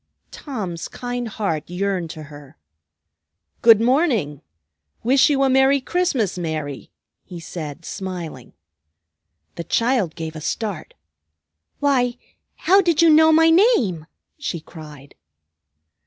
Tom's kind heart yearned to her. "Good morning! Wish you a merry Christmas, Mary!" he said smiling. The child gave a start. "Why, how did you know my name?" she cried.